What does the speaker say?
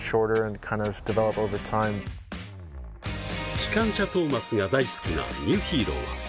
「きかんしゃトーマス」が大好きなニューヒーロー。